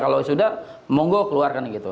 kalau sudah monggo keluarkan gitu